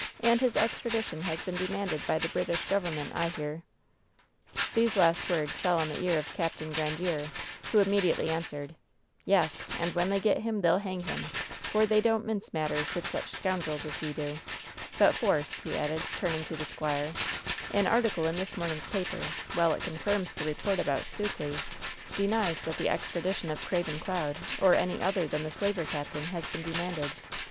And his extradition has been demanded by the British Government, I hear." These last words fell on the ear of Capt. Grandiere, who immediately answered : "Yes, and when they get him they'll hang him, for they don't mince matters with such scoundrels as we do I But, Force," he added, turning to the squire, "an article in this morning's paper, while it confirms the report about Stukely, denies that the extradition of Craven Cloud, or any other than the slaver captain, has been demanded.